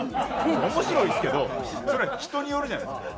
面白いですけどそれは人によるじゃないですか。